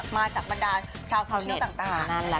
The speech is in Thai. คือมาจากประดาษชาวเที่ยวต่างค่ะ